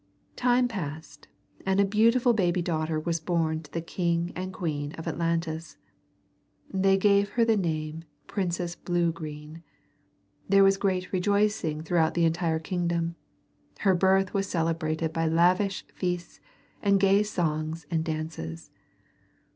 Time passed and a beautiful baby daughter was born to the king and queen of Atlantis. They gave her the name of Princess Bluegreen. There was great rejoicing throughout the entire kingdom. Her birth was celebrated by lavish feasts and gay songs and dances.